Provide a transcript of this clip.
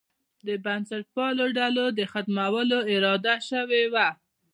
د بنسټپالو ډلو د ختمولو اراده شوې وه.